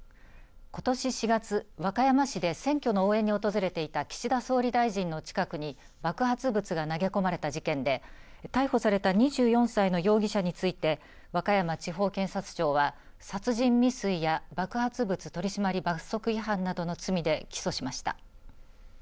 ことし４月、和歌山市で選挙の応援に訪れていた岸田総理大臣の近くに爆発物が投げこまれた事件で逮捕された２４歳の容疑者について和歌山地方検察庁は殺人未遂や爆発物取締罰則違反などの罪で起訴しました。